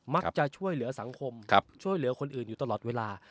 ช่วยเหลือสังคมช่วยเหลือคนอื่นอยู่ตลอดเวลา